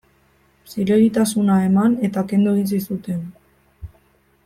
Zilegitasuna eman eta kendu egin zizuten.